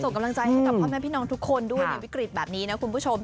กำลังใจให้กับพ่อแม่พี่น้องทุกคนด้วยในวิกฤตแบบนี้นะคุณผู้ชม